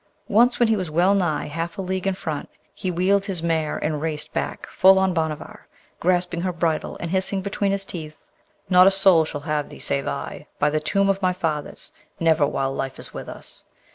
Once, when he was well nigh half a league in front, he wheeled his mare, and raced back full on Bhanavar, grasping her bridle, and hissing between his teeth, 'Not a soul shall have thee save I: by the tomb of my fathers, never, while life is with us!'